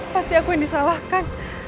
pasti aku yang disalahkan